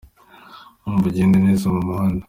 Umva, ugende neza mu muhanda